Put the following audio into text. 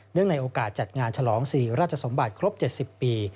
ในโอกาสจัดงานฉลองศรีราชสมบัติครบ๗๐ปี